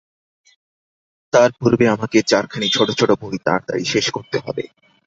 তার পূর্বে আমাকে চারখানি ছোট ছোট বই তাড়াতাড়ি শেষ করতে হবে।